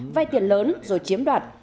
vay tiền lớn rồi chiếm đoạt